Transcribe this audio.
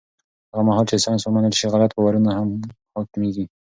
هغه مهال چې ساینس ومنل شي، غلط باورونه نه حاکمېږي.